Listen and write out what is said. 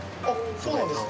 そうなんですか。